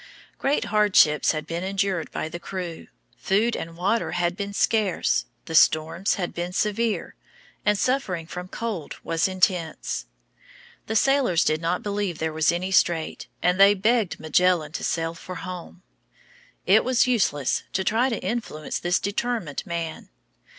Great hardships had been endured by the crew. Food and water had been scarce, the storms had been severe, and suffering from cold was intense. The sailors did not believe there was any strait, and they begged Magellan to sail for home. It was useless to try to influence this determined man.